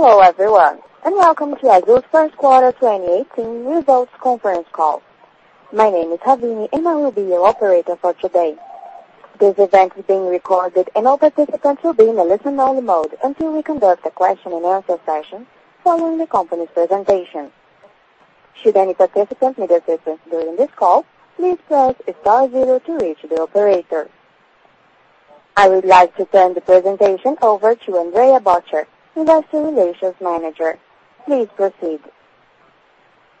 Hello, everyone, welcome to Azul's first quarter 2018 results conference call. My name is Ravine, I will be your operator for today. This event is being recorded, all participants will be in a listen-only mode until we conduct a question-and-answer session following the company's presentation. Should any participant need assistance during this call, please press star zero to reach the operator. I would like to turn the presentation over to Andrea Bottcher, Investor Relations Manager. Please proceed.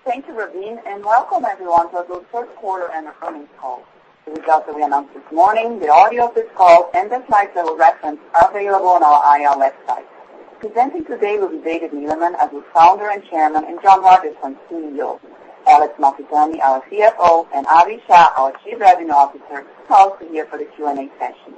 Thank you, Ravine, welcome everyone to Azul's first quarter earnings call. The results that we announced this morning, the audio of this call, the slides that we'll reference are available on our IR website. Presenting today will be David Neeleman, Azul's Founder and Chairman, John Rodgerson, our CEO. Alex Malfitani, our CFO, Abhi Shah, our Chief Revenue Officer, will also be here for the Q&A session.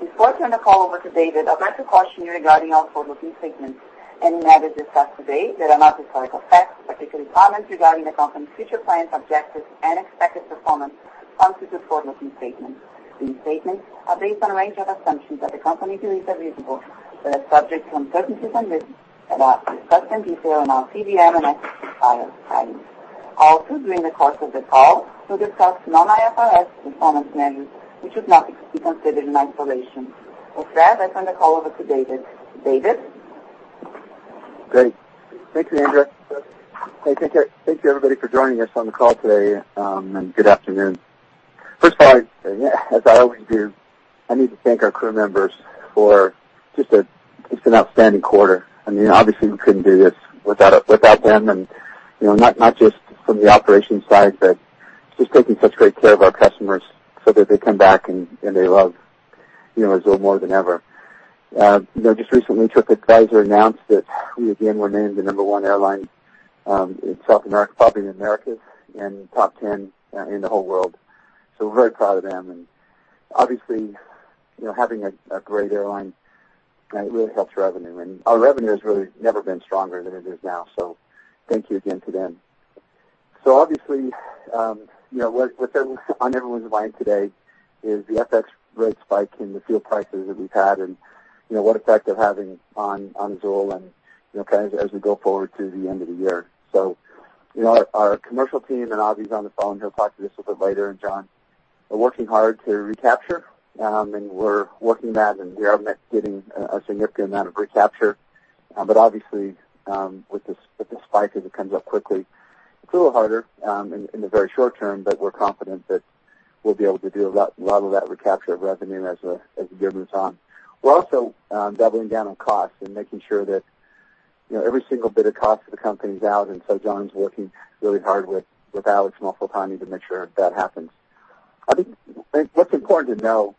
Before I turn the call over to David, I'd like to caution you regarding our forward-looking statements. Any matters discussed today that are not historical facts, particularly comments regarding the company's future plans, objectives, expected performance, constitute forward-looking statements. These statements are based on a range of assumptions that the company believes are reasonable, are subject to uncertainties and risks about discuss in detail in our CVM and SEC filings. Also, during the course of the call, we'll discuss non-IFRS performance measures, which should not be considered in isolation. With that, I turn the call over to David. David? Great. Thank you, Andrea. Hey. Thank you, everybody, for joining us on the call today, good afternoon. First of all, as I always do, I need to thank our crew members for just an outstanding quarter. Obviously, we couldn't do this without them, not just from the operations side, just taking such great care of our customers so that they come back they love Azul more than ever. Just recently, TripAdvisor announced that we again were named the number one airline in South America, probably in the Americas, top 10 in the whole world. We're very proud of them, obviously, having a great airline really helps revenue, our revenue has really never been stronger than it is now. Thank you again to them. Obviously, what's on everyone's mind today is the FX rate spike in the fuel prices that we've had, and what effect they're having on Azul. As we go forward to the end of the year, our commercial team, and Abhi's on the phone. He'll talk to this a little bit later, and John. We're working hard to recapture, and we're working that, and we are getting a significant amount of recapture. Obviously, with the spike as it comes up quickly, it's a little harder in the very short term, but we're confident that we'll be able to do a lot of that recapture of revenue as the year moves on. We're also doubling down on costs and making sure that every single bit of cost of the company is out. John's working really hard with Alex Malfitani to make sure that happens. I think what's important to know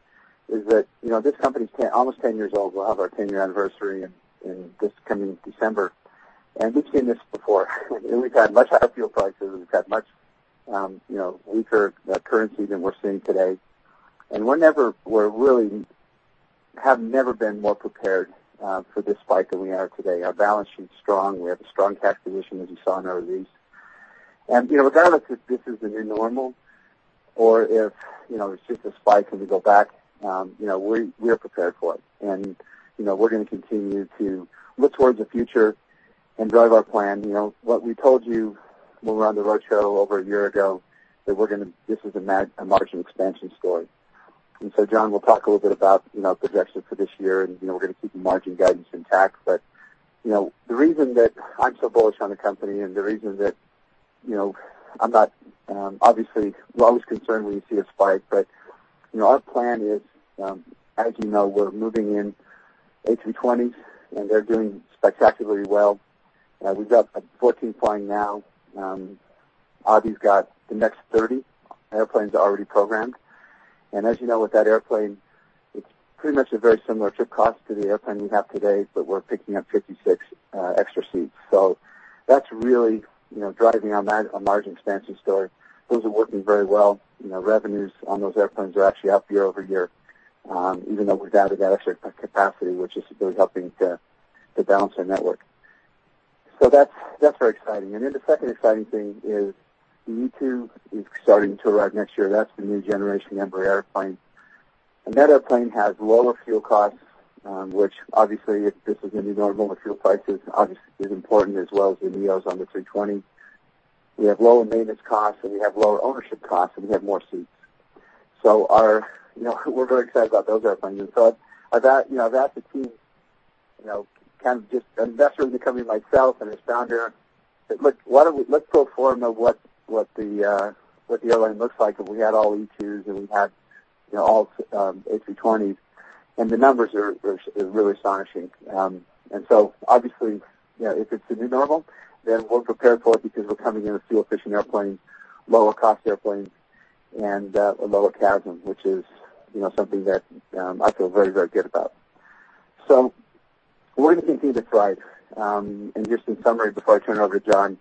is that this company's almost 10 years old. We'll have our 10-year anniversary in this coming December. We've seen this before. We've had much higher fuel prices. We've had much weaker currency than we're seeing today. We really have never been more prepared for this spike than we are today. Our balance sheet's strong. We have a strong cash position, as you saw in our release. Regardless if this is the new normal or if it's just a spike and we go back, we are prepared for it. We're going to continue to look towards the future and drive our plan. What we told you when we were on the road show over a year ago, that this is a margin expansion story. John will talk a little bit about the projection for this year, and we're going to keep the margin guidance intact. The reason that I'm so bullish on the company and the reason that I'm not. Obviously, we're always concerned when you see a spike, but our plan is, as you know, we're moving in Airbus A320s, and they're doing spectacularly well. We've got 14 flying now. Abhi's got the next 30 airplanes are already programmed. As you know, with that airplane, it's pretty much a very similar trip cost to the airplane we have today, but we're picking up 56 extra seats. That's really driving our margin expansion story. Those are working very well. Revenues on those airplanes are actually up year-over-year, even though we've added that extra capacity, which is really helping to balance our network. That's very exciting. The second exciting thing is the E2 is starting to arrive next year. That's the new generation Embraer airplane. That airplane has lower fuel costs, which obviously, if this is the new normal with fuel prices, obviously is important as well as the NEOs on the 320. We have lower maintenance costs, we have lower ownership costs, and we have more seats. We're very excited about those airplanes. I've asked the team, investors in the company, myself, and as founder, "Let's build a formula of what the airline looks like if we had all E2s and we had all Airbus A320s." The numbers are really astonishing. Obviously, if it's the new normal, we're prepared for it because we're coming in with fuel-efficient airplanes, lower cost airplanes, and a lower CASM, which is something that I feel very, very good about. We're going to continue to thrive. Just in summary, before I turn it over to John,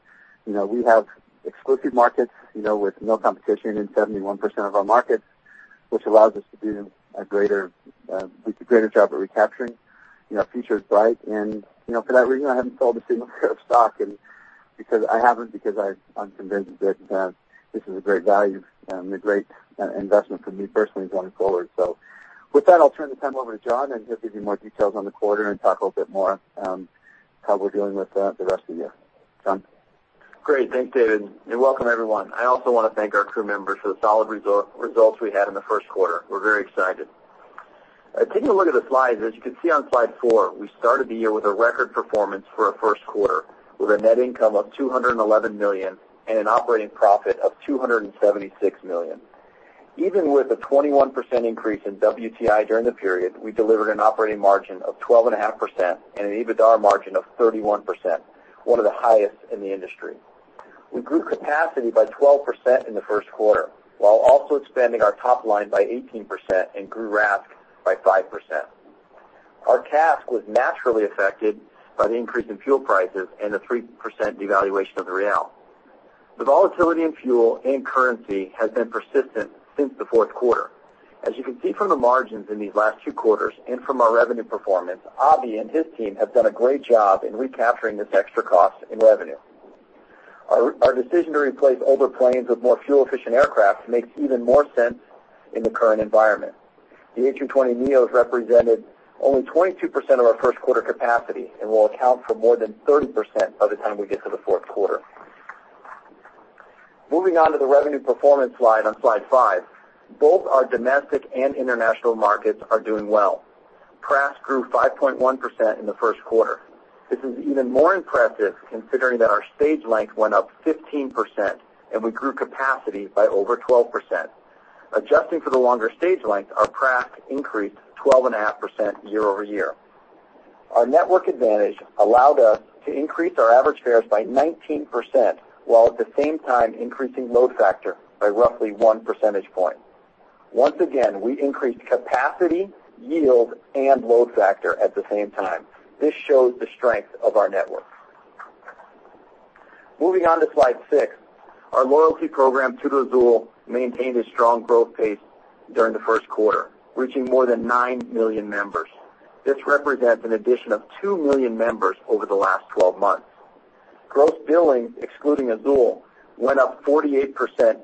we have exclusive markets with no competition in 71% of our markets, which allows us to do a greater job at recapturing. Future's bright. For that reason, I haven't sold a single share of stock because I'm convinced that this is a great value and a great investment for me personally going forward. With that, I'll turn the time over to John, and he'll give you more details on the quarter and talk a little bit more on how we're doing with the rest of the year. John? Great. Thanks, David, and welcome everyone. I also want to thank our crew members for the solid results we had in the first quarter. We're very excited. Taking a look at the slides, as you can see on slide four, we started the year with a record performance for our first quarter with a net income of 211 million and an operating profit of 276 million. Even with a 21% increase in WTI during the period, we delivered an operating margin of 12.5% and an EBITDA margin of 31%, one of the highest in the industry. We grew capacity by 12% in the first quarter, while also expanding our top line by 18% and grew RASK by 5%. Our CASK was naturally affected by the increase in fuel prices and a 3% devaluation of the Real. The volatility in fuel and currency has been persistent since the fourth quarter. As you can see from the margins in these last two quarters and from our revenue performance, Abhi and his team have done a great job in recapturing this extra cost in revenue. Our decision to replace older planes with more fuel-efficient aircraft makes even more sense in the current environment. The A320neo represented only 22% of our first quarter capacity and will account for more than 30% by the time we get to the fourth quarter. Moving on to the revenue performance slide on slide five, both our domestic and international markets are doing well. PRASK grew 5.1% in the first quarter. This is even more impressive considering that our stage length went up 15% and we grew capacity by over 12%. Adjusting for the longer stage length, our PRASK increased 12.5% year-over-year. Our network advantage allowed us to increase our average fares by 19%, while at the same time increasing load factor by roughly one percentage point. Once again, we increased capacity, yield, and load factor at the same time. This shows the strength of our network. Moving on to slide six, our loyalty program, TudoAzul, maintained a strong growth pace during the first quarter, reaching more than nine million members. This represents an addition of two million members over the last 12 months. Gross billing, excluding Azul, went up 48%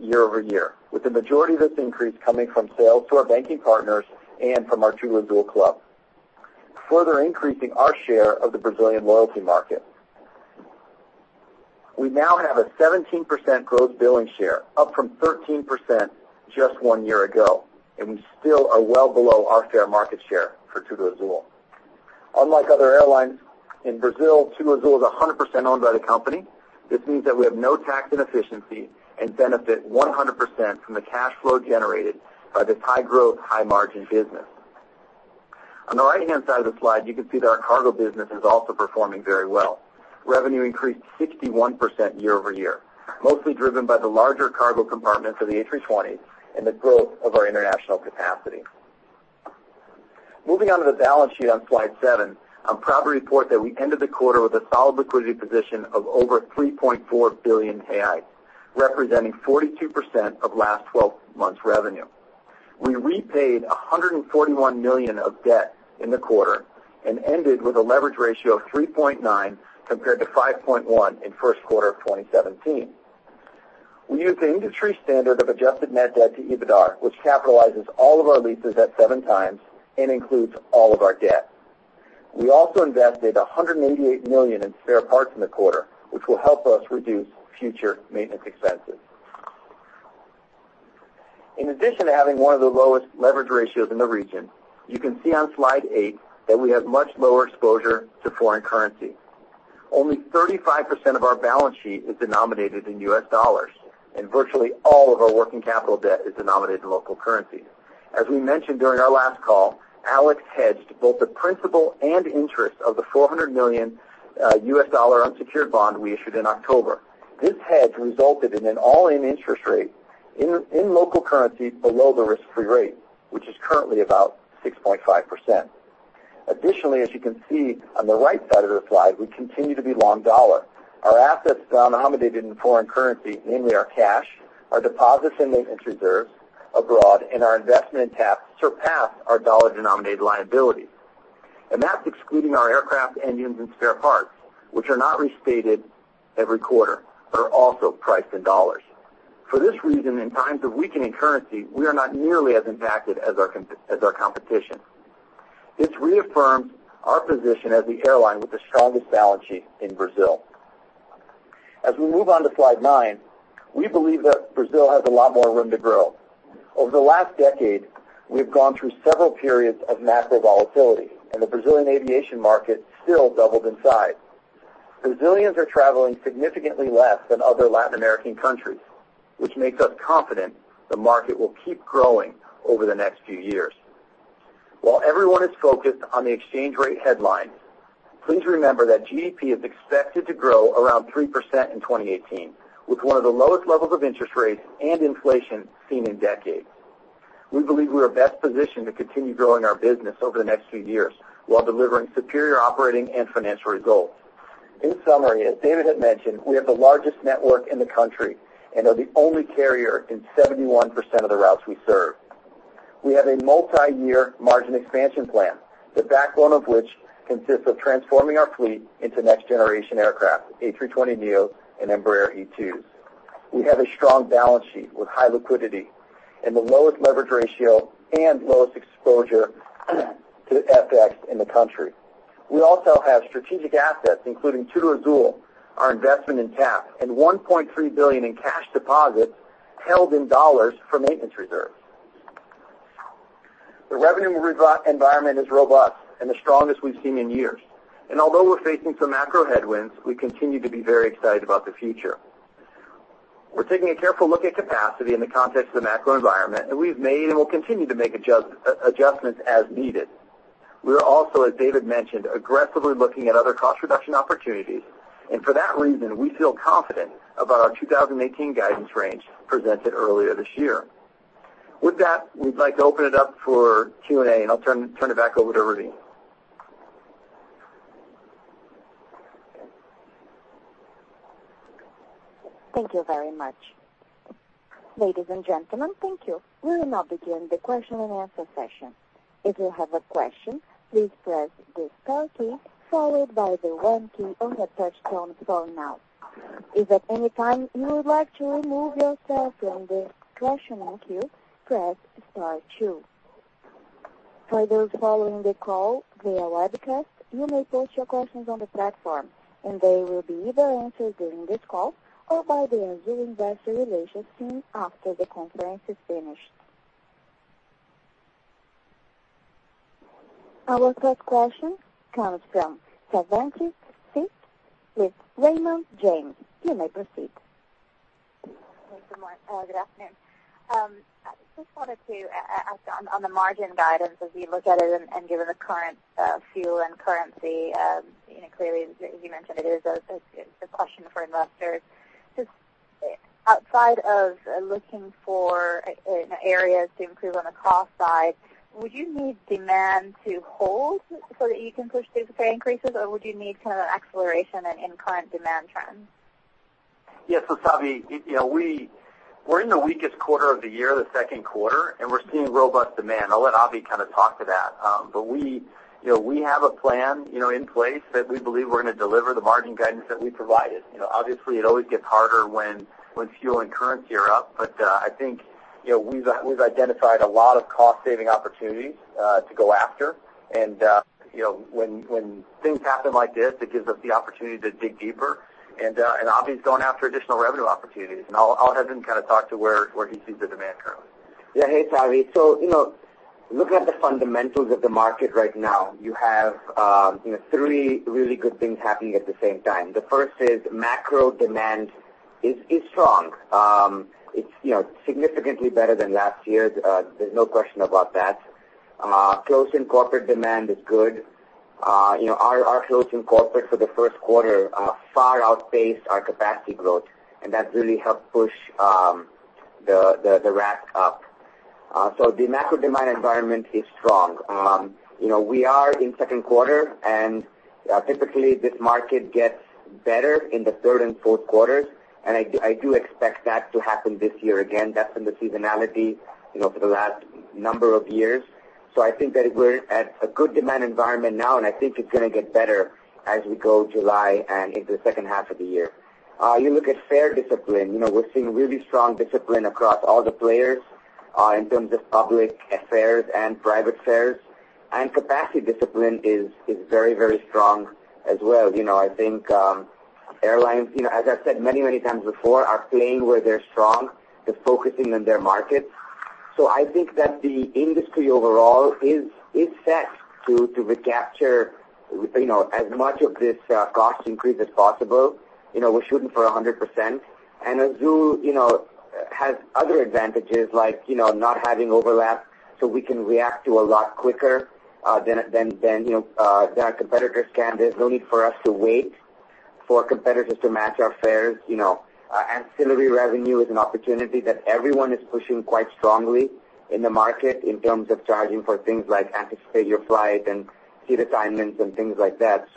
year-over-year, with the majority of this increase coming from sales to our banking partners and from our TudoAzul club, further increasing our share of the Brazilian loyalty market. We now have a 17% gross billing share, up from 13% just one year ago, and we still are well below our fair market share for TudoAzul. Unlike other airlines in Brazil, TudoAzul is 100% owned by the company. This means that we have no tax inefficiency and benefit 100% from the cash flow generated by this high-growth, high-margin business. On the right-hand side of the slide, you can see that our cargo business is also performing very well. Revenue increased 61% year-over-year, mostly driven by the larger cargo compartments of the A320 and the growth of our international capacity. Moving on to the balance sheet on slide seven, I'm proud to report that we ended the quarter with a solid liquidity position of over 3.4 billion, representing 42% of last 12 months revenue. We repaid 141 million of debt in the quarter and ended with a leverage ratio of 3.9, compared to 5.1 in first quarter of 2017. We use the industry standard of adjusted net debt to EBITDA, which capitalizes all of our leases at seven times and includes all of our debt. We also invested 188 million in spare parts in the quarter, which will help us reduce future maintenance expenses. In addition to having one of the lowest leverage ratios in the region, you can see on slide eight that we have much lower exposure to foreign currency. Only 35% of our balance sheet is denominated in U.S. dollars, and virtually all of our working capital debt is denominated in local currency. As we mentioned during our last call, Alex hedged both the principal and interest of the $400 million unsecured bond we issued in October. This hedge resulted in an all-in interest rate in local currency below the risk-free rate, which is currently about 6.5%. Additionally, as you can see on the right side of the slide, we continue to be long dollar. Our assets denominated in foreign currency, namely our cash, our deposits and maintenance reserves abroad, and our investment in TAP, surpass our dollar-denominated liabilities. That's excluding our aircraft engines and spare parts, which are not restated every quarter, are also priced in dollars. For this reason, in times of weakening currency, we are not nearly as impacted as our competition. This reaffirms our position as the airline with the strongest balance sheet in Brazil. As we move on to slide nine, we believe that Brazil has a lot more room to grow. Over the last decade, we've gone through several periods of macro volatility, the Brazilian aviation market still doubled in size. Brazilians are traveling significantly less than other Latin American countries, which makes us confident the market will keep growing over the next few years. While everyone is focused on the exchange rate headlines, please remember that GDP is expected to grow around 3% in 2018, with one of the lowest levels of interest rates and inflation seen in decades. We believe we are best positioned to continue growing our business over the next few years while delivering superior operating and financial results. In summary, as David had mentioned, we have the largest network in the country and are the only carrier in 71% of the routes we serve. We have a multi-year margin expansion plan, the backbone of which consists of transforming our fleet into next generation aircraft, A320neo and Embraer E2s. We have a strong balance sheet with high liquidity and the lowest leverage ratio and lowest exposure to FX in the country. We also have strategic assets, including TudoAzul, our investment in TAP, and $1.3 billion in cash deposits held in dollars for maintenance reserves. The revenue environment is robust and the strongest we've seen in years. Although we're facing some macro headwinds, we continue to be very excited about the future. We're taking a careful look at capacity in the context of the macro environment. We've made and will continue to make adjustments as needed. We are also, as David mentioned, aggressively looking at other cost reduction opportunities. For that reason, we feel confident about our 2018 guidance range presented earlier this year. With that, we'd like to open it up for Q&A. I'll turn it back over to Ravine. Thank you very much. Ladies and gentlemen, thank you. We will now begin the question and answer session. If you have a question, please press the star key followed by the one key on your touchtone phone now. If at any time you would like to remove yourself from the questioning queue, press star two. For those following the call via webcast, you may post your questions on the platform. They will be either answered during this call or by the Azul Investor Relations team after the conference is finished. Our first question comes from Savanthi Syth with Raymond James. You may proceed. Thanks so much. Good afternoon. I just wanted to ask on the margin guidance as you look at it and given the current fuel and currency. Clearly, as you mentioned, it is a question for investors. Just outside of looking for areas to improve on the cost side, would you need demand to hold so that you can push through the fare increases, or would you need an acceleration in current demand trends? Yes. Savi, we're in the weakest quarter of the year, the second quarter. We're seeing robust demand. I'll let Abhi kind of talk to that. We have a plan in place that we believe we're going to deliver the margin guidance that we provided. Obviously, it always gets harder when fuel and currency are up. I think we've identified a lot of cost-saving opportunities to go after. When things happen like this, it gives us the opportunity to dig deeper. Abhi's going after additional revenue opportunities. I'll have him kind of talk to where he sees the demand currently. Hey, Savi. Looking at the fundamentals of the market right now, you have three really good things happening at the same time. The first is macro demand is strong. It's significantly better than last year. There's no question about that. Close in corporate demand is good. Our close in corporate for the first quarter far outpaced our capacity growth, and that really helped push the RASK up. The macro demand environment is strong. We are in second quarter, and typically this market gets better in the third and fourth quarters, and I do expect that to happen this year again. That's been the seasonality for the last number of years. I think that we're at a good demand environment now, and I think it's going to get better as we go July and into the second half of the year. You look at fare discipline. We're seeing really strong discipline across all the players in terms of public fares and private fares. Capacity discipline is very, very strong as well. I think airlines, as I've said many times before, are playing where they're strong. They're focusing on their markets. I think that the industry overall is set to recapture as much of this cost increase as possible. We're shooting for 100%. Azul has other advantages like not having overlap, we can react to a lot quicker than our competitors can. There's no need for us to wait for competitors to match our fares. Ancillary revenue is an opportunity that everyone is pushing quite strongly in the market in terms of charging for things like anticipate your flight and seat assignments and things like that.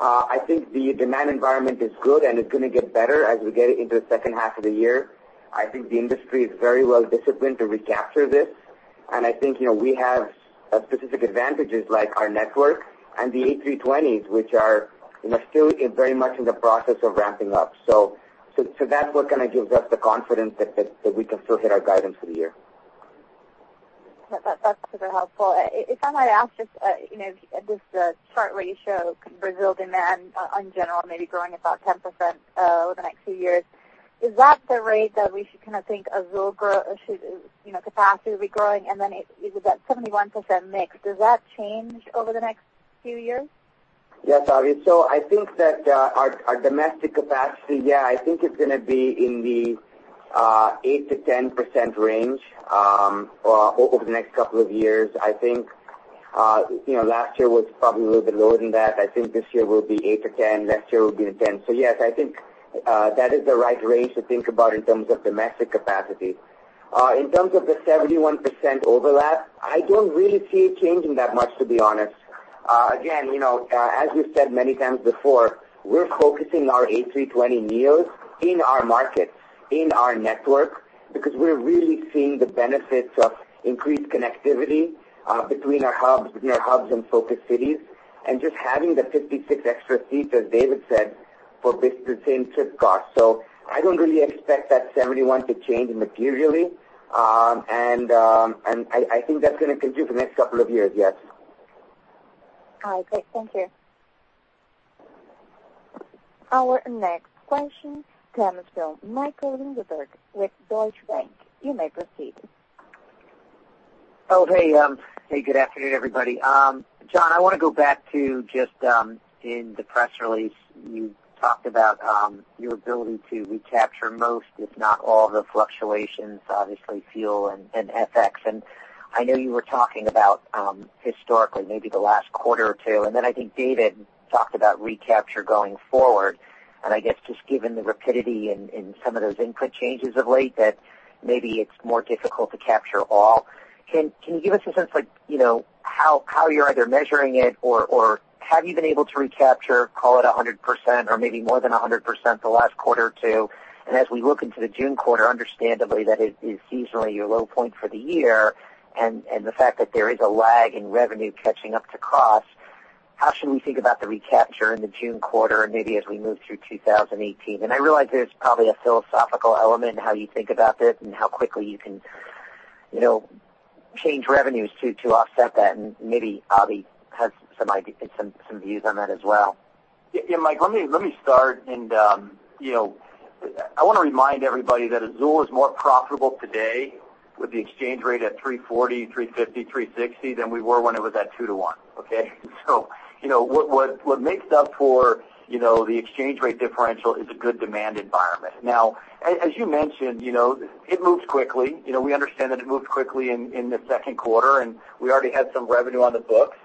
I think the demand environment is good, and it's going to get better as we get into the second half of the year. I think the industry is very well disciplined to recapture this, and I think we have specific advantages like our network and the A320s, which are still very much in the process of ramping up. That's what gives us the confidence that we can still hit our guidance for the year. That's super helpful. If I might ask, just the chart where you show Brazil demand in general maybe growing about 10% over the next few years. Is that the rate that we should kind of think Azul grow capacity will be growing? And then with that 71% mix, does that change over the next few years? Yes, Savi. I think that our domestic capacity, I think it's going to be in the 8%-10% range over the next couple of years. I think last year was probably a little bit lower than that. I think this year will be 8%-10%. Next year will be in 10. Yes, I think that is the right range to think about in terms of domestic capacity. In terms of the 71% overlap I don't really see it changing that much, to be honest. Again, as we've said many times before, we're focusing our A320neos in our market, in our network, because we're really seeing the benefits of increased connectivity between our hubs and focus cities, and just having the 56 extra seats, as David said, for the same trip cost. I don't really expect that 71 to change materially. I think that's going to continue for the next couple of years, yes. All right, great. Thank you. Our next question comes from Michael Linenberg with Deutsche Bank. You may proceed. Hey. Good afternoon, everybody. John, I want to go back to just in the press release, you talked about your ability to recapture most, if not all, the fluctuations, obviously fuel and FX. I know you were talking about historically, maybe the last quarter or two, then I think David talked about recapture going forward. I guess just given the rapidity in some of those input changes of late that maybe it's more difficult to capture all. Can you give us a sense how you're either measuring it or have you been able to recapture, call it 100% or maybe more than 100% the last quarter or two? As we look into the June quarter, understandably, that is seasonally your low point for the year, and the fact that there is a lag in revenue catching up to cost, how should we think about the recapture in the June quarter and maybe as we move through 2018? I realize there's probably a philosophical element in how you think about this and how quickly you can change revenues to offset that, and maybe Abhi has some ideas, some views on that as well. Yeah, Mike, let me start. I want to remind everybody that Azul is more profitable today with the exchange rate at 340, 350, 360 than we were when it was at 2 to 1. Okay? What makes up for the exchange rate differential is a good demand environment. As you mentioned, it moves quickly. We understand that it moves quickly in the second quarter, and we already had some revenue on the books.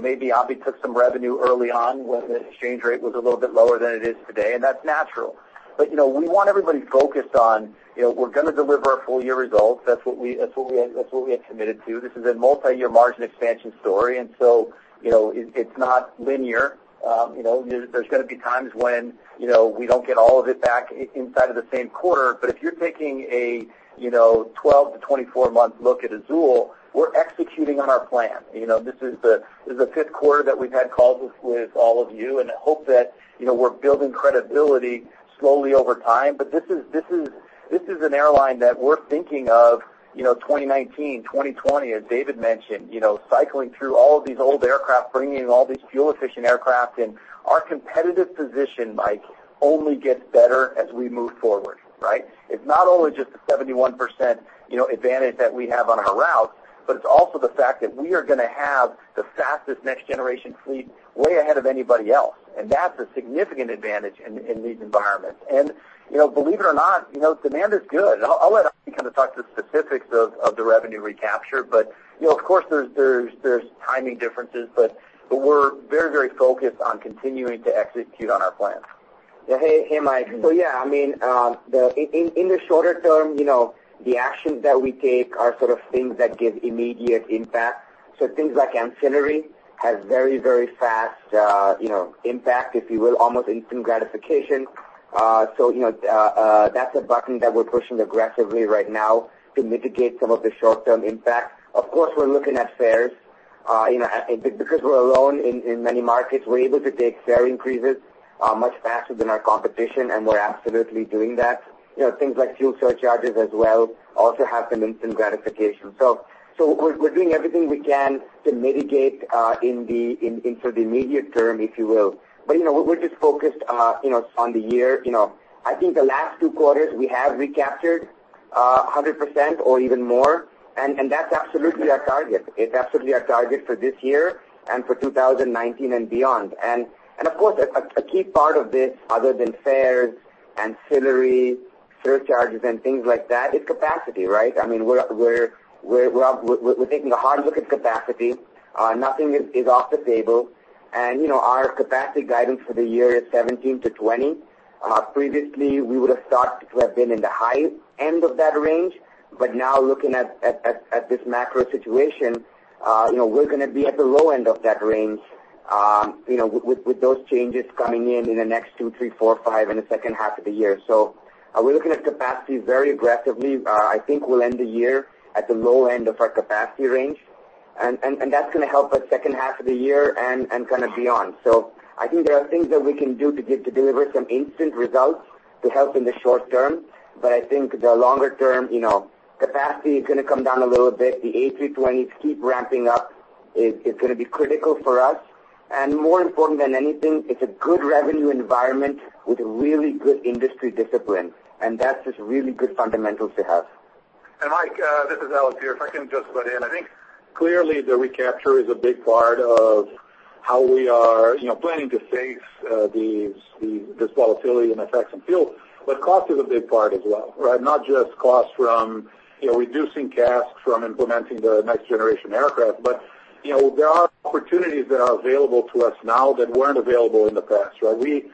Maybe Abhi took some revenue early on when the exchange rate was a little bit lower than it is today, and that's natural. We want everybody focused on we're going to deliver our full-year results. That's what we have committed to. This is a multi-year margin expansion story, it's not linear. There's going to be times when we don't get all of it back inside of the same quarter. If you're taking a 12 to 24-month look at Azul, we're executing on our plan. This is the fifth quarter that we've had calls with all of you, and I hope that we're building credibility slowly over time. This is an airline that we're thinking of 2019, 2020, as David mentioned, cycling through all of these old aircraft, bringing in all these fuel-efficient aircraft. Our competitive position, Mike, only gets better as we move forward. Right? It's not only just the 71% advantage that we have on our routes, but it's also the fact that we are going to have the fastest next-generation fleet way ahead of anybody else. That's a significant advantage in these environments. Believe it or not, demand is good. I'll let Abhi kind of talk to the specifics of the revenue recapture. Of course, there's timing differences, we're very focused on continuing to execute on our plan. Hey, Mike. In the shorter term, the actions that we take are sort of things that give immediate impact. Things like ancillary has very fast impact, if you will, almost instant gratification. That's a button that we're pushing aggressively right now to mitigate some of the short-term impact. Of course, we're looking at fares. Because we're alone in many markets, we're able to take fare increases much faster than our competition, and we're absolutely doing that. Things like fuel surcharges as well also have some instant gratification. We're doing everything we can to mitigate for the immediate term, if you will. We're just focused on the year. I think the last two quarters we have recaptured 100% or even more, and that's absolutely our target. It's absolutely our target for this year and for 2019 and beyond. Of course, a key part of this, other than fares, ancillary surcharges and things like that, is capacity, right? We're taking a hard look at capacity. Nothing is off the table. Our capacity guidance for the year is 17%-20%. Previously, we would have thought to have been in the high end of that range. Now looking at this macro situation, we're going to be at the low end of that range with those changes coming in in the next two, three, four, five in the second half of the year. We're looking at capacity very aggressively. I think we'll end the year at the low end of our capacity range, and that's going to help us second half of the year and kind of beyond. I think there are things that we can do to get to deliver some instant results to help in the short term. I think the longer term, capacity is going to come down a little bit. The A320s keep ramping up. It's going to be critical for us. More important than anything, it's a good revenue environment with really good industry discipline, and that's just really good fundamentals to have. Mike, this is Alex here. If I can just butt in. I think clearly the recapture is a big part of how we are planning to face this volatility in FX and fuel. Cost is a big part as well, right? Not just cost from reducing CASK from implementing the next-generation aircraft, but There are opportunities that are available to us now that weren't available in the past. We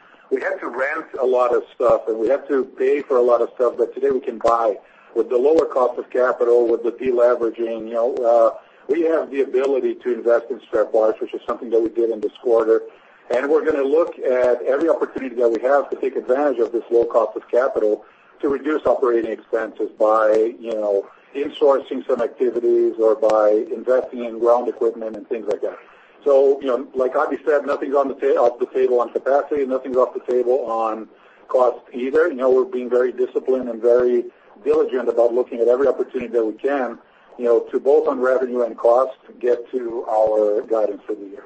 had to rent a lot of stuff, and we had to pay for a lot of stuff that today we can buy. With the lower cost of capital, with the de-leveraging, we have the ability to invest in spare parts, which is something that we did in this quarter. We're going to look at every opportunity that we have to take advantage of this low cost of capital to reduce operating expenses by insourcing some activities or by investing in ground equipment and things like that. Like Abhi said, nothing's off the table on capacity. Nothing's off the table on cost either. We're being very disciplined and very diligent about looking at every opportunity that we can, to both on revenue and costs, get to our guidance for the year.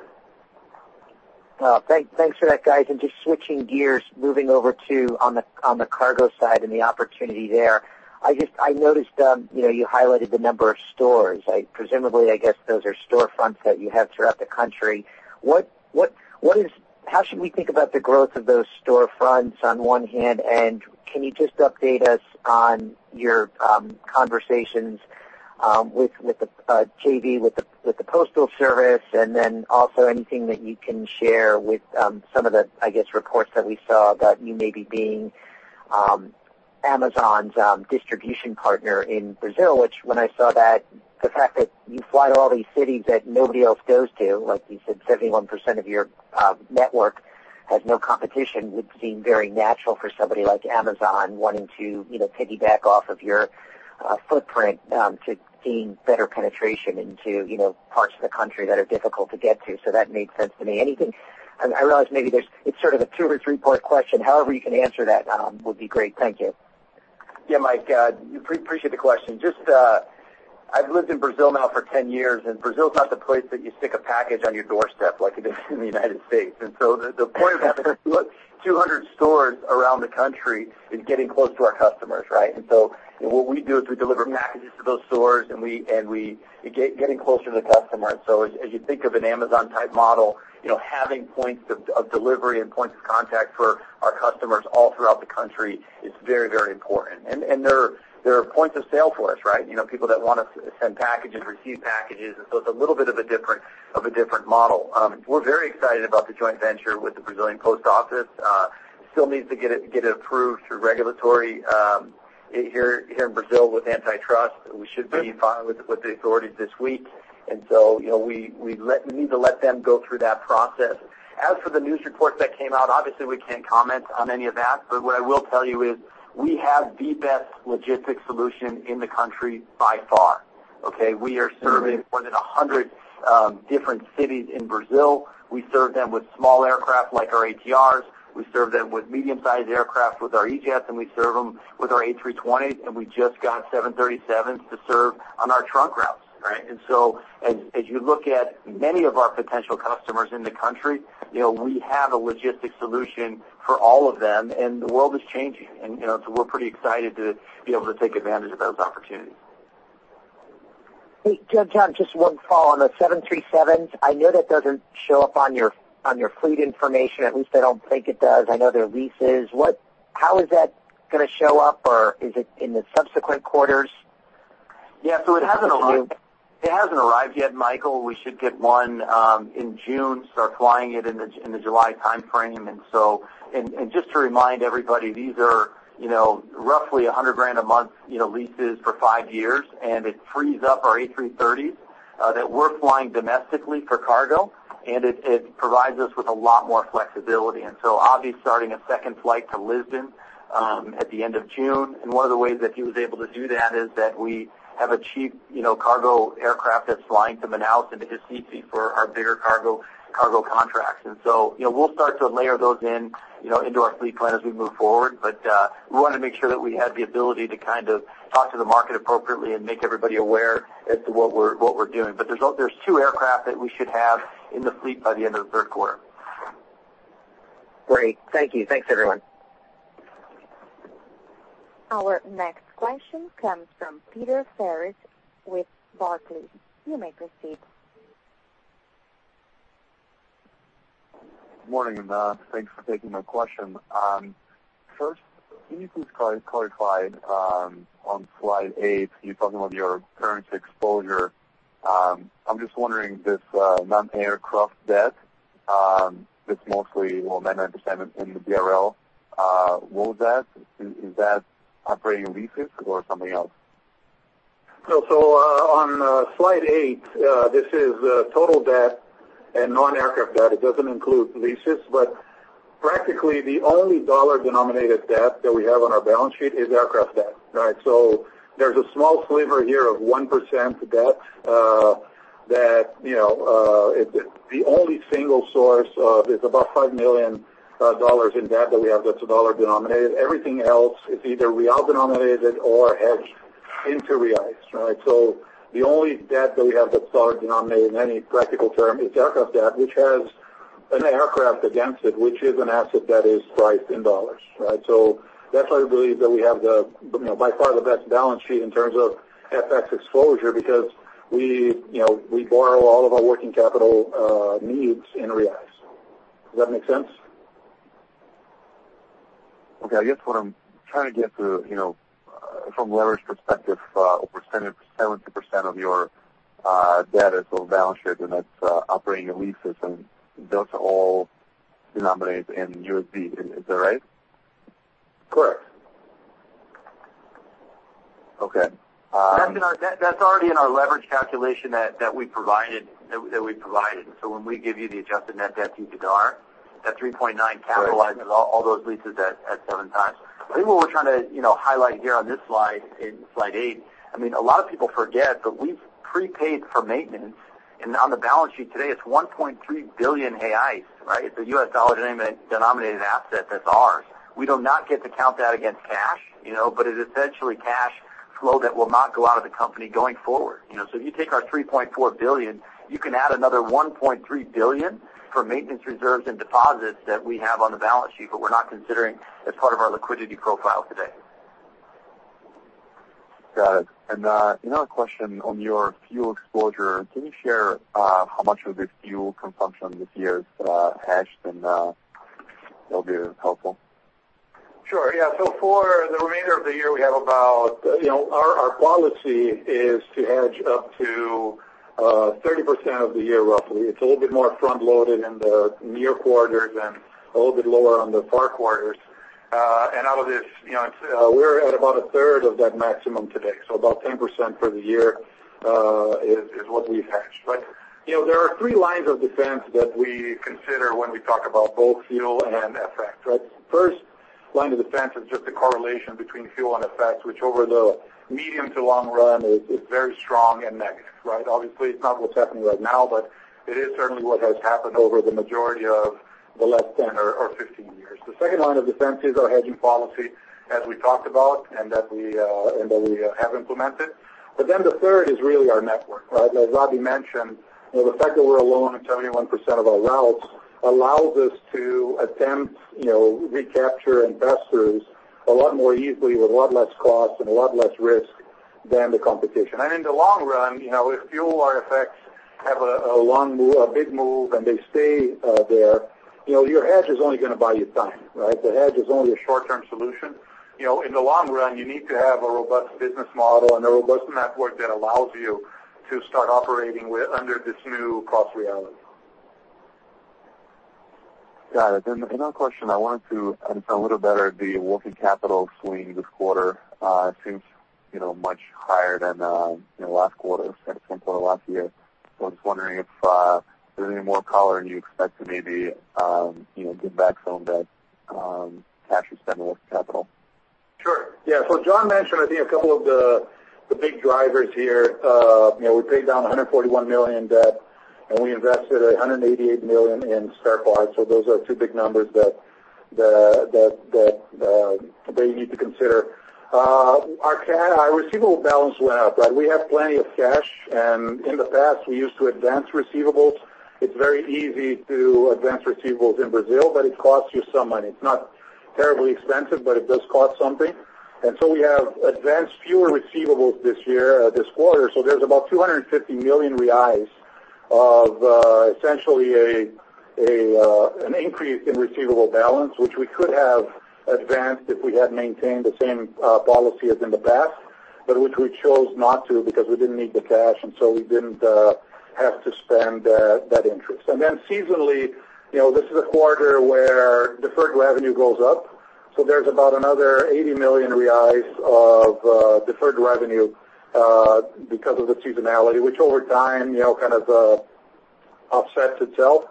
Well, thanks for that, guys. Just switching gears, moving over to on the cargo side and the opportunity there. I noticed you highlighted the number of stores. Presumably, I guess, those are storefronts that you have throughout the country. How should we think about the growth of those storefronts on one hand, and can you just update us on your conversations with the JV, with the postal service, and then also anything that you can share with some of the, I guess, reports that we saw that you may be being Amazon's distribution partner in Brazil, which when I saw that, the fact that you fly to all these cities that nobody else goes to, like you said, 71% of your network has no competition, would seem very natural for somebody like Amazon wanting to piggyback off of your footprint to gain better penetration into parts of the country that are difficult to get to. That made sense to me. I realize maybe it's sort of a two or three-part question. However you can answer that would be great. Thank you. Yeah, Mike, appreciate the question. I've lived in Brazil now for 10 years, Brazil is not the place that you stick a package on your doorstep like it is in the United States. The point of having 200 stores around the country is getting closer to our customers. What we do is we deliver packages to those stores, and we get closer to the customer. As you think of an Amazon-type model, having points of delivery and points of contact for our customers all throughout the country is very important. They're points of sale for us. People that want to send packages, receive packages, it's a little bit of a different model. We're very excited about the joint venture with the Brazilian Post Office. Still needs to get it approved through regulatory here in Brazil with antitrust. We should be fine with the authorities this week. We need to let them go through that process. As for the news reports that came out, obviously, we can't comment on any of that. What I will tell you is we have the best logistics solution in the country by far. Okay? We are serving more than 100 different cities in Brazil. We serve them with small aircraft like our ATRs, we serve them with medium-sized aircraft with our E-Jets, and we serve them with our A320s, and we just got 737s to serve on our trunk routes. As you look at many of our potential customers in the country, we have a logistics solution for all of them, and the world is changing. We're pretty excited to be able to take advantage of those opportunities. Hey, John, just one follow-on. The 737s, I know that doesn't show up on your fleet information. At least I don't think it does. I know they're leases. How is that going to show up, or is it in the subsequent quarters? Yeah. It hasn't arrived yet, Michael. We should get one in June, start flying it in the July timeframe. Just to remind everybody, these are roughly 100 grand a month leases for five years. It frees up our A330 that we're flying domestically for cargo. It provides us with a lot more flexibility. Abhi's starting a second flight to Lisbon at the end of June. One of the ways that he was able to do that is that we have a cheap cargo aircraft that's flying to Manaus and to Recife for our bigger cargo contracts. We'll start to layer those into our fleet plan as we move forward. We wanted to make sure that we had the ability to talk to the market appropriately and make everybody aware as to what we're doing. There's two aircraft that we should have in the fleet by the end of the third quarter. Great. Thank you. Thanks, everyone. Our next question comes from Peter Farris with Barclays. You may proceed. Morning. Thanks for taking my question. First, can you please clarify on slide eight, you're talking about your current exposure. I'm just wondering, this non-aircraft debt, this mostly, well, 90% in the BRL. What was that? Is that operating leases or something else? On slide eight, this is total debt and non-aircraft debt. It doesn't include leases, but practically the only dollar-denominated debt that we have on our balance sheet is aircraft debt. There's a small sliver here of 1% debt that the only single source of is about $5 million in debt that we have that's dollar-denominated. Everything else is either BRL denominated or hedged into BRL. The only debt that we have that's dollar-denominated in any practical term is aircraft debt, which has an aircraft against it, which is an asset that is priced in U.S. dollars. That's why I believe that we have by far the best balance sheet in terms of FX exposure because we borrow all of our working capital needs in BRL. Does that make sense? Okay. I guess what I'm trying to get to from a leverage perspective, over 70% of your debt is on the balance sheet, and that's operating leases, and those are all denominated in USD. Is that right? Correct. Okay. That's already in our leverage calculation that we provided. When we give you the adjusted net debt to EBITDA, that 3.9 capitalizes all those leases at 7x. I think what we're trying to highlight here on this slide, in slide eight, a lot of people forget, but we've prepaid for maintenance, and on the balance sheet today, it's 1.3 billion reais. It's a U.S. dollar-denominated asset that's ours. We do not get to count that against cash, but it is essentially cash flow that will not go out of the company going forward. If you take our 3.4 billion, you can add another 1.3 billion for maintenance reserves and deposits that we have on the balance sheet, but we're not considering as part of our liquidity profile today. Got it. Another question on your fuel exposure. Can you share how much of the fuel consumption this year is hedged, and that'll be helpful. Sure. Yeah. For the remainder of the year, our policy is to hedge up to 30% of the year, roughly. It's a little bit more front-loaded in the near quarters and a little bit lower on the far quarters. Out of this, we're at about a third of that maximum today. About 10% for the year is what we've hedged. There are three lines of defense that we consider when we talk about both fuel and FX. First line of defense is just the correlation between fuel and FX, which over the medium to long run is very strong and negative. Obviously, it's not what's happening right now, but it is certainly what has happened over the majority of the last 10 or 15 years. The second line of defense is our hedging policy, as we talked about, and that we have implemented. The third is really our network. As Abhi mentioned, the fact that we're alone on 71% of our routes allows us to attempt recapture and pass-throughs a lot more easily with a lot less cost and a lot less risk than the competition. In the long run, if fuel or FX have a big move and they stay there, your hedge is only going to buy you time. The hedge is only a short-term solution. In the long run, you need to have a robust business model and a robust network that allows you to start operating under this new cost reality. Got it. Another question. I wanted to understand a little better the working capital swing this quarter. It seems much higher than last quarter and similar to last year. I was just wondering if there's any more color and you expect to maybe give back some of that cash you spent in working capital. Sure. John mentioned, I think, a couple of the big drivers here. We paid down 141 million debt, and we invested 188 million in spare parts. Those are two big numbers that you need to consider. Our receivable balance went up. We have plenty of cash, and in the past, we used to advance receivables. It's very easy to advance receivables in Brazil, but it costs you some money. It's not terribly expensive, but it does cost something. We have advanced fewer receivables this quarter, there's about 250 million reais of essentially an increase in receivable balance, which we could have advanced if we had maintained the same policy as in the past, but which we chose not to because we didn't need the cash, we didn't have to spend that interest. Seasonally, this is a quarter where deferred revenue goes up. There's about another 80 million reais of deferred revenue because of the seasonality, which over time, kind of offsets itself,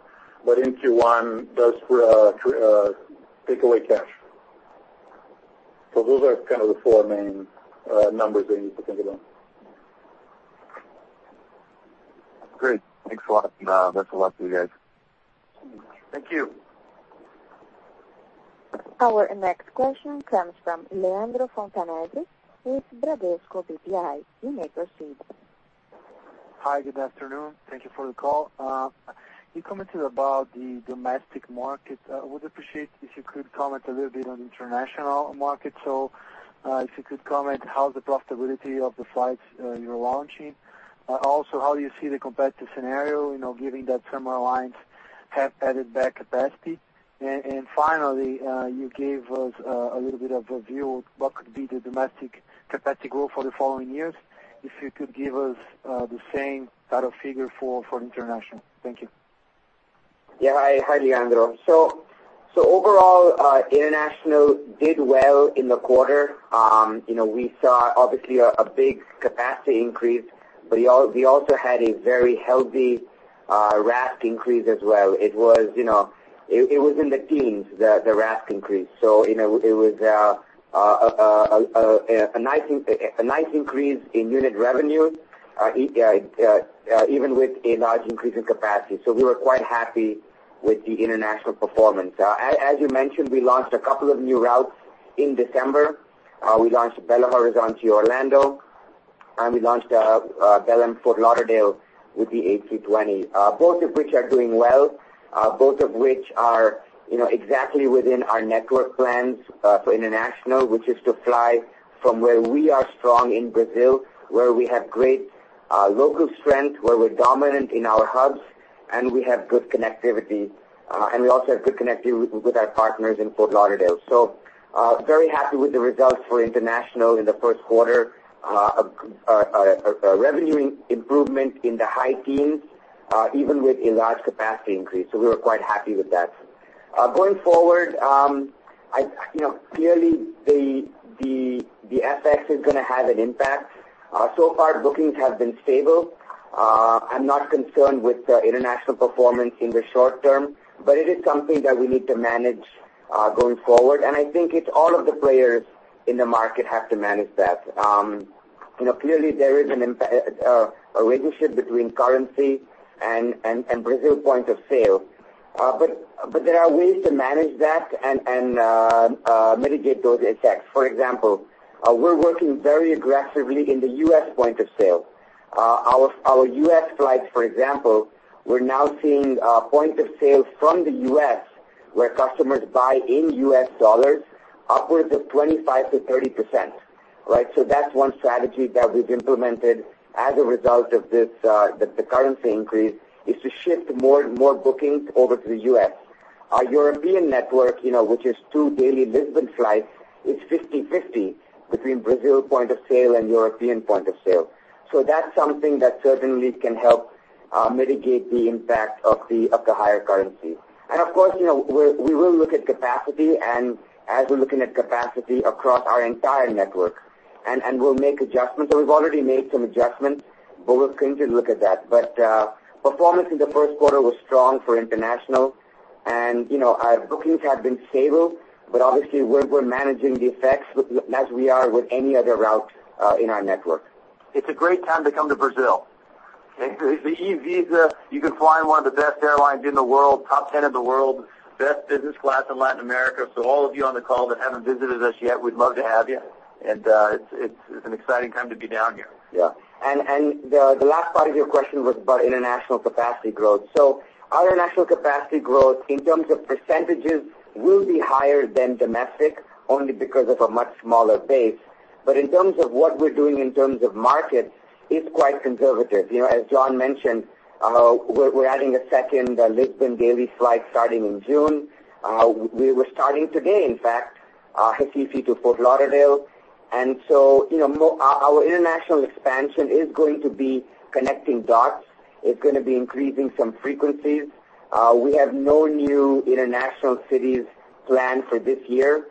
but in Q1 does take away cash. Those are kind of the four main numbers that you need to think about. Great. Thanks a lot, and best of luck to you guys. Thank you. Our next question comes from Leandro Fontanesi with Bradesco BBI. You may proceed. Hi. Good afternoon. Thank you for the call. You commented about the domestic market. I would appreciate if you could comment a little bit on international markets. If you could comment how the profitability of the flights you are launching. Also, how you see the competitive scenario, given that some airlines have added back capacity. Finally, you gave us a little bit of a view of what could be the domestic capacity growth for the following years. If you could give us the same kind of figure for international. Thank you. Yeah. Hi, Leandro. Overall, international did well in the quarter. We saw, obviously, a big capacity increase, but we also had a very healthy RASK increase as well. It was in the teens, the RASK increase. It was a nice increase in unit revenue, even with a large increase in capacity. We were quite happy with the international performance. As you mentioned, we launched a couple of new routes in December. We launched Belo Horizonte-Orlando, and we launched Belém-Fort Lauderdale with the A320. Both of which are doing well, both of which are exactly within our network plans for international, which is to fly from where we are strong in Brazil, where we have great local strength, where we're dominant in our hubs. We have good connectivity, and we also have good connectivity with our partners in Fort Lauderdale. Very happy with the results for international in the first quarter. A revenue improvement in the high teens, even with a large capacity increase. We were quite happy with that. Going forward, clearly, the FX is going to have an impact. So far, bookings have been stable. I'm not concerned with the international performance in the short term, but it is something that we need to manage, going forward. I think it's all of the players in the market have to manage that. Clearly, there is a relationship between currency and Brazil point of sale. There are ways to manage that and mitigate those FX. For example, we're working very aggressively in the U.S. point of sale. Our U.S. flights, for example, we're now seeing point of sale from the U.S. where customers buy in U.S. dollars upwards of 25%-30%. That's one strategy that we've implemented as a result of the currency increase, is to shift more bookings over to the U.S. Our European network, which is two daily Lisbon flights, is 50/50 between Brazil point of sale and European point of sale. That's something that certainly can help mitigate the impact of the higher currency. Of course, we will look at capacity, and as we're looking at capacity across our entire network, and we'll make adjustments. We've already made some adjustments, but we're going to look at that. Performance in the first quarter was strong for international. Our bookings have been stable, but obviously, we're managing the FX as we are with any other route in our network. It's a great time to come to Brazil. Okay? There's the E-Visa. You can fly in one of the best airlines in the world, top 10 in the world, best business class in Latin America. All of you on the call that haven't visited us yet, we'd love to have you, and it's an exciting time to be down here. The last part of your question was about international capacity growth. Our international capacity growth, in terms of percentages, will be higher than domestic only because of a much smaller base. In terms of what we're doing in terms of markets, it's quite conservative. As John mentioned, we're adding a second Lisbon daily flight starting in June. We're starting today, in fact, Recife to Fort Lauderdale. Our international expansion is going to be connecting dots. It's going to be increasing some frequencies. We have no new international cities planned for this year.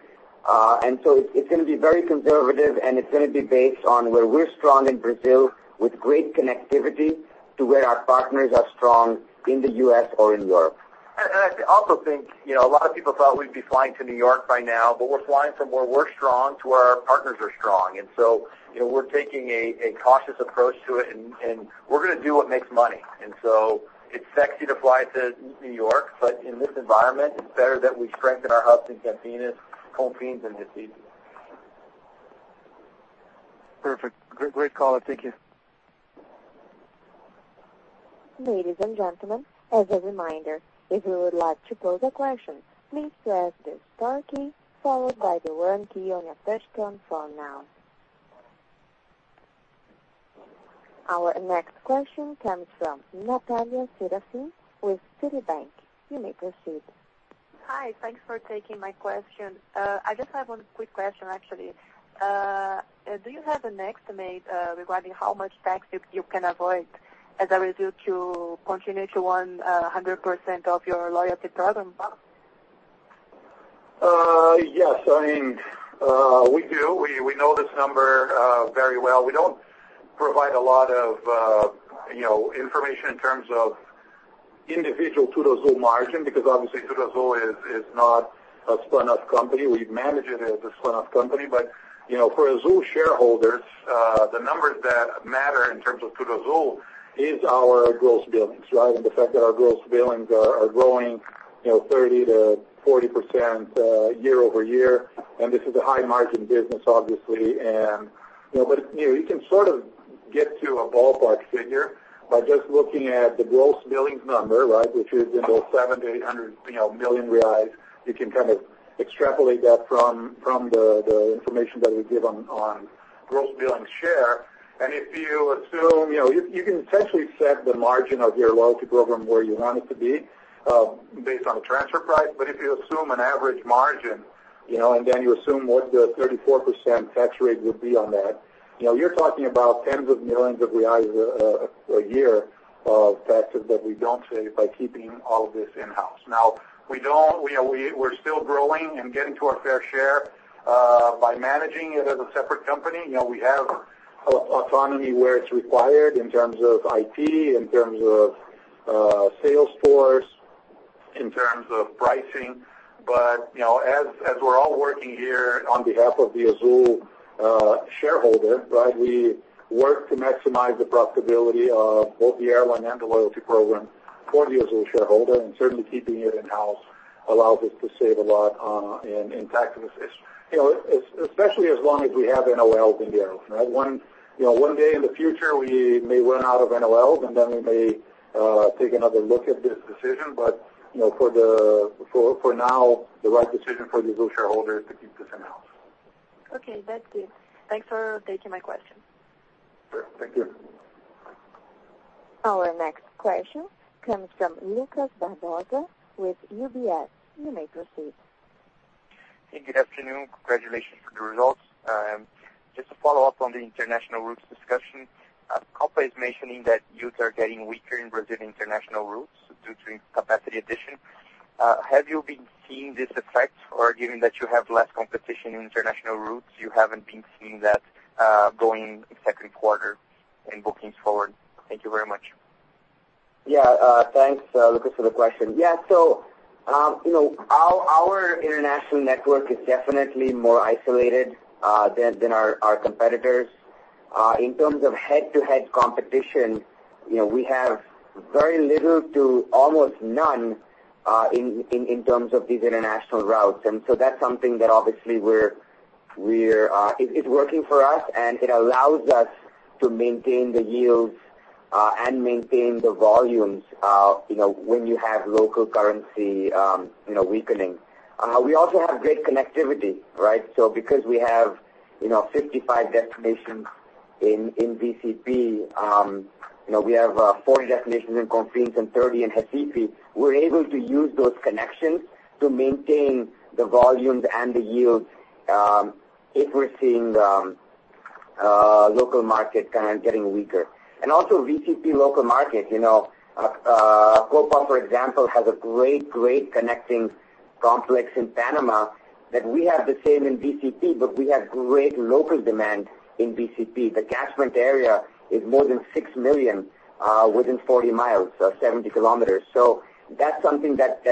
It's going to be very conservative, and it's going to be based on where we're strong in Brazil with great connectivity to where our partners are strong in the U.S. or in Europe. I also think, a lot of people thought we'd be flying to New York by now, we're flying from where we're strong to where our partners are strong. We're taking a cautious approach to it, we're going to do what makes money. It's sexy to fly to New York, in this environment, it's better that we strengthen our hubs in Campinas, Confins, and Recife. Perfect. Great call. Thank you. Ladies and gentlemen, as a reminder, if you would like to pose a question, please press the star key followed by the one key on your touch-tone phone now. Our next question comes from Natalia Serafim with Citibank. You may proceed. Hi, thanks for taking my question. I just have one quick question, actually. Do you have an estimate regarding how much taxes you can avoid as a result to continue to 100% of your TudoAzul program? Yes. We do. We know this number very well. We don't provide a lot of information in terms of individual TudoAzul margin, because obviously TudoAzul is not a spun-off company. We manage it as a spun-off company, but for Azul shareholders, the numbers that matter in terms of TudoAzul is our gross billings, right? The fact that our gross billings are growing 30%-40% year-over-year. This is a high-margin business, obviously. You can sort of get to a ballpark figure by just looking at the gross billings number, which is in the 700 million-800 million reais. You can kind of extrapolate that from the information that we give on gross billings share. You can essentially set the margin of your TudoAzul program where you want it to be based on transfer price. If you assume an average margin, then you assume what the 34% tax rate would be on that, you're talking about tens of millions of BRL a year of taxes that we don't save by keeping all of this in-house. Now, we're still growing and getting to our fair share, by managing it as a separate company. We have autonomy where it's required in terms of IT, in terms of sales force, in terms of pricing. As we're all working here on behalf of the Azul shareholder, we work to maximize the profitability of both the airline and the TudoAzul program for the Azul shareholder, and certainly keeping it in-house allows us to save a lot in taxes. Especially as long as we have NOLs in the airline. One day in the future, we may run out of NOLs, then we may take another look at this decision. For now, the right decision for the Azul shareholder is to keep this in-house. Okay, that's it. Thanks for taking my question. Sure. Thank you. Our next question comes from Lucas Bardotta with UBS. You may proceed. Hey, good afternoon. Congratulations for the results. Just to follow up on the international routes discussion. Copa is mentioning that yields are getting weaker in Brazilian international routes due to capacity addition. Have you been seeing this effect, or given that you have less competition in international routes, you haven't been seeing that going in second quarter in bookings forward? Thank you very much. Thanks, Lucas, for the question. Our international network is definitely more isolated than our competitors. In terms of head-to-head competition, we have very little to almost none in terms of these international routes. That's something that obviously is working for us, and it allows us to maintain the yields and maintain the volumes when you have local currency weakening. We also have great connectivity, right? Because we have 55 destinations in VCP, we have 40 destinations in Confins and 30 in Recife. We're able to use those connections to maintain the volumes and the yields if we're seeing the local market kind of getting weaker. Also VCP local market. Copa, for example, has a great connecting complex in Panama that we have the same in VCP, but we have great local demand in VCP. The catchment area is more than 6 million within 40 miles, 70 km. That's something that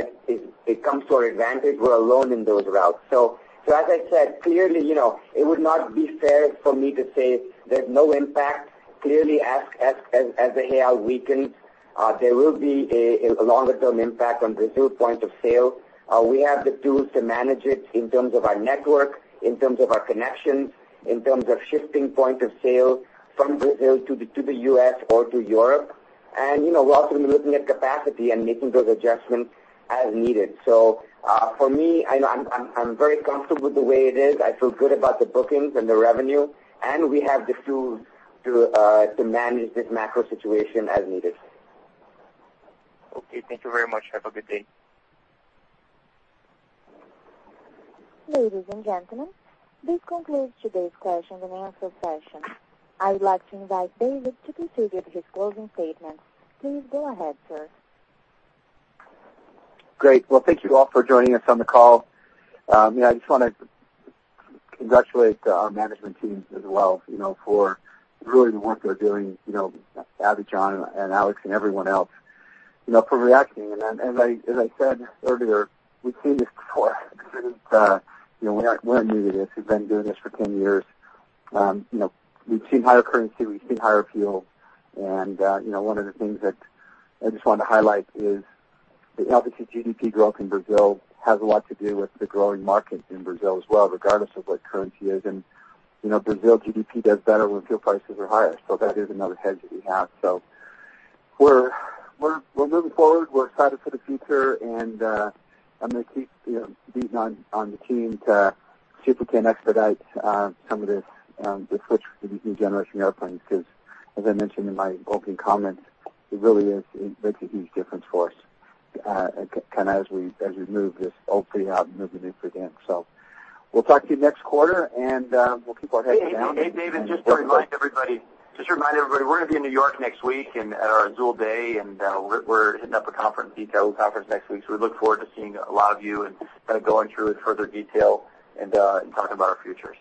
comes to our advantage. We're alone in those routes. As I said, clearly, it would not be fair for me to say there's no impact. Clearly, as the BRL weakens, there will be a longer-term impact on Brazil point of sale. We have the tools to manage it in terms of our network, in terms of our connections, in terms of shifting point of sale from Brazil to the U.S. or to Europe. We're also looking at capacity and making those adjustments as needed. For me, I'm very comfortable with the way it is. I feel good about the bookings and the revenue, and we have the tools to manage this macro situation as needed. Okay. Thank you very much. Have a good day. Ladies and gentlemen, this concludes today's question and answer session. I would like to invite David to proceed with his closing statements. Please go ahead, sir. Great. Well, thank you all for joining us on the call. I just want to congratulate our management teams as well, for really the work they're doing. Abhi and Alex and everyone else, for reacting. As I said earlier, we've seen this before. We're not new to this. We've been doing this for 10 years. We've seen higher currency, we've seen higher fuel. One of the things that I just want to highlight is that obviously, GDP growth in Brazil has a lot to do with the growing market in Brazil as well, regardless of what currency is. Brazil GDP does better when fuel prices are higher. That is another hedge that we have. We're moving forward. We're excited for the future, and I'm going to keep beating on the team to see if we can expedite some of the switch to the new generation airplanes, because as I mentioned in my opening comments, it really makes a huge difference for us, kind of as we move this old fleet out and move the new fleet in. We'll talk to you next quarter, and we'll keep our heads down. Hey, David, just to remind everybody, we're going to be in New York next week at our Azul Day, and we're hitting up a conference next week. We look forward to seeing a lot of you and kind of going through with further detail and talking about our futures.